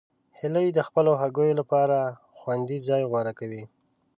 هیلۍ د خپلو هګیو لپاره خوندي ځای غوره کوي